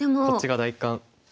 こっちが第一感。